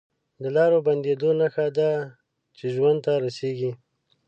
د لارو بندېدو نښه ده چې ژوند ته رسېږي